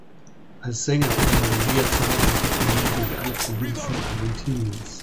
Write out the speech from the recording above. Als Sänger unternahm Lear zahlreiche Tourneen durch alle Provinzen Argentiniens.